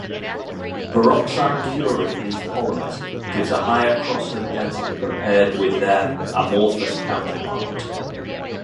Peroxide curing these polymers gives a higher crosslink density compared with their amorphous counterpart.